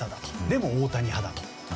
でも大谷派だと。